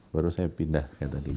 baru saya pindah